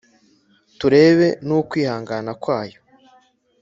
turebe n’ukwihangana kwayo.